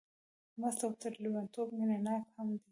مست او تر لېونتوب مینه ناک هم دی.